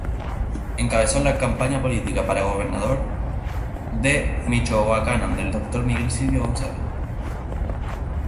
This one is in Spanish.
Encabezó la campaña política para gobernador de Michoacán del doctor Miguel Silva González.